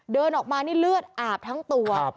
เดินออกมานี่เลือดอาบทั้งตัว